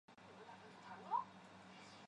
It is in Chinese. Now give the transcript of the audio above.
由于维权活动受到政治迫害。